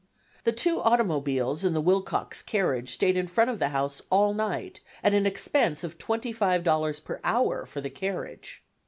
The two automobiles and the Wilcox carriage stayed in front of the house all night, at an expense of twenty five dollars per hour for the carriage.